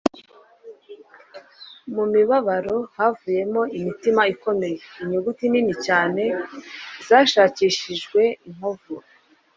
mu mibabaro havuyemo imitima ikomeye; inyuguti nini cyane zashakishijwe inkovu